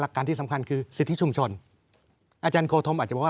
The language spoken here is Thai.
การที่สำคัญคือสิทธิชุมชนอาจารย์โคธมอาจจะบอกว่า